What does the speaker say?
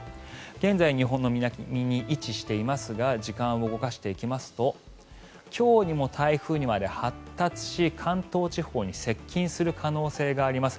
現在日本の南に位置していますが時間を動かしていきますと今日にも台風にまで発達し関東地方に接近する可能性があります。